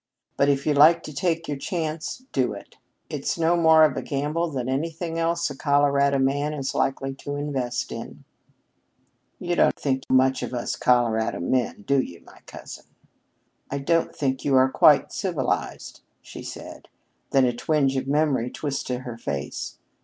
But if you like to take your chance, do it. It's no more of a gamble than anything else a Colorado man is likely to invest in." "You don't think much of us Colorado men, do you, my cousin?" "I don't think you are quite civilized," she said. Then a twinge of memory twisted her face.